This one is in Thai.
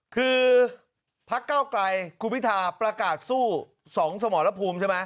คือพักเก้าไกลคุณพิธาประกาศสู้๒สมรภูมิใช่ไหม